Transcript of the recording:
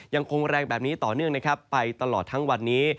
ยังคงแรงแบบนี้ต่อเนื่องนะครับไปตลอดทั้งวันนี้